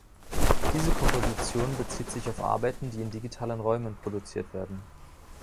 Diese Komposition bezieht sich auf Arbeiten, die in digitalen Räumen produziert werden.